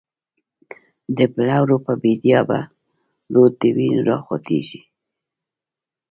دبلورو په بیدیا به، رود دوینو راخوټیږی